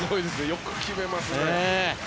よく決めますね。